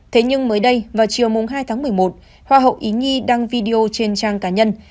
thế nhưng mới đây vào chiều hai tháng một mươi một hoa hậu ý nhi đăng video trên trang cá nhân